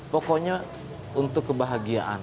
pokoknya untuk kebahagiaan